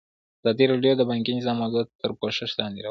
ازادي راډیو د بانکي نظام موضوع تر پوښښ لاندې راوستې.